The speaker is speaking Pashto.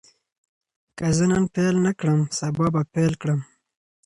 که زه نن پیل نه کړم، سبا به پیل کړم.